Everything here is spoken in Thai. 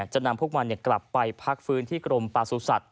จะนำพวกมันกลับไปพักฟื้นที่กรมประสุทธิ